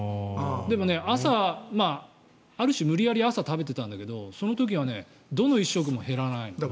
でもね、朝、ある種無理やり朝食べてたんだけどその時はどの１食も減らないんだよ。